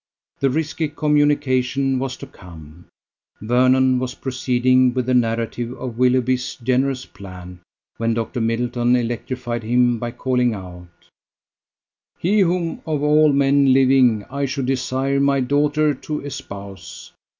The risky communication was to come. Vernon was proceeding with the narrative of Willoughby's generous plan when Dr. Middleton electrified him by calling out: "He whom of all men living I should desire my daughter to espouse!"